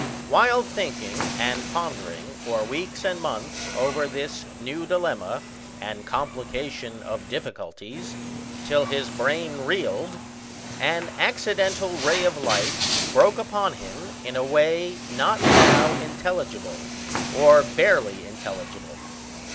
While thinking and pondering for weeks and months over this new dilemma and complication of difficulties, till his brain reeled, an accidental ray of light broke upon him in a way not now intelligible, or barely intelligible.